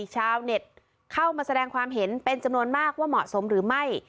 ชาวเน็ตเข้ามาแสดงความเห็นเป็นจำนวนมากว่าเหมาะสมหรือไม่